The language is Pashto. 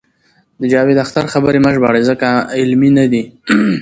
د جاوید اختر خبرې مه ژباړئ ځکه علمي نه دي.